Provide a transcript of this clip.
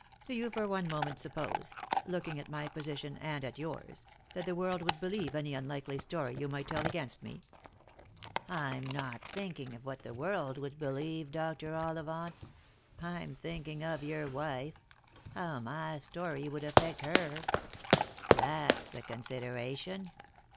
Do you for one moment suppose — looking at my position and at yours — that the world would believe any unlikely story you might tell against me ?"" I'm not thinking of what the world would believe, Dr. Olli vant. I'm thinking of your wife : how my story would affect her. That's the consideration.